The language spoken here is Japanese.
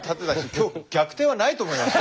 今日逆転はないと思いますよ。